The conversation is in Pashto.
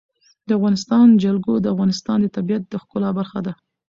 د افغانستان جلکو د افغانستان د طبیعت د ښکلا برخه ده.